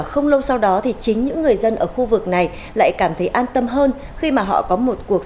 không lâu sau đó thì chính những người dân ở khu vực này lại cảm thấy an tâm hơn khi mà họ có một cuộc